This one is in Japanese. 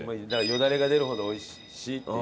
よだれが出るほど美味しいっていう。